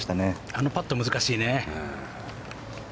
あのパット難しいね。